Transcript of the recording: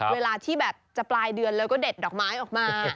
เวลาที่แบบจะปลายเดือนแล้วก็เด็ดดอกไม้ออกมา